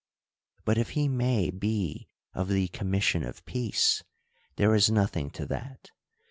But if he may be of the commission of peace, there is nothing to that.